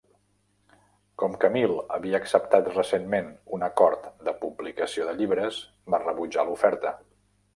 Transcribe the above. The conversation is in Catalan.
Com que Mil havia acceptat recentment un acord de publicació de llibres, va rebutjar l'oferta.